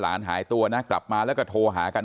หายตัวนะกลับมาแล้วก็โทรหากัน